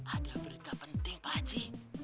ada berita penting pak haji